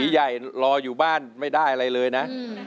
ใหญ่รออยู่บ้านไม่ได้อะไรเลยนะ